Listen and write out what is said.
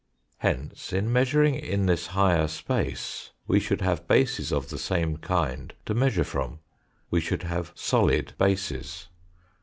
Hence, in measuring in this higher space we should have bases of the same kind to measure from, we should have solid bases.